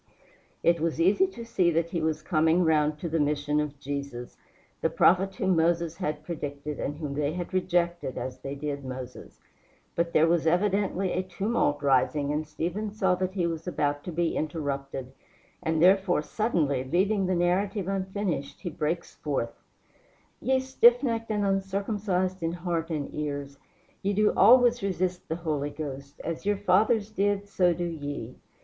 It was easy to see that he was coming round to the mission of Jesus, the prophet whom Moses had predicted, and whom they had rejected as they did Moses. But there was evidently a tumult rising, and Stephen saw that he was about to be interrupted, and therefore, suddenly, leaving the narrative unfinished, he breaks forth: "Ye stiffnecked and uncircumcised in heart and ears, ye do always resist the Holy Ghost as your fathers did so do ye.